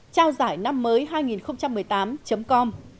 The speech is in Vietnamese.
trao giải năm mới hai nghìn một mươi tám com